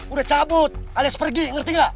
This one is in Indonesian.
udah cabut alias pergi ngerti nggak